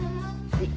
はい。